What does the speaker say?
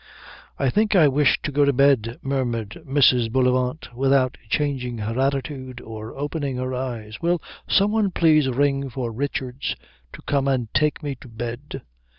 "I think I wish to go to bed," murmured Mrs. Bullivant, without changing her attitude or opening her eyes. "Will some one please ring for Richards to come and take me to bed?"